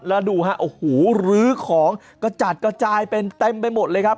แล้วดูฮะโอ้โหรื้อของกระจัดกระจายเป็นเต็มไปหมดเลยครับ